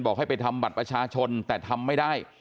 ให้ไปทำบัตรประชาชนแต่ทำไม่ได้